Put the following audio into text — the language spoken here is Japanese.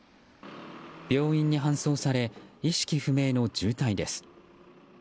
病院に搬送され意識不明の重体です。